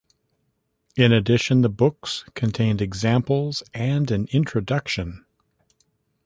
In addition, the books contained examples and an introduction.